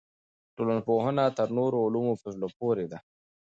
ټولنپوهنه تر نورو علومو په زړه پورې ده.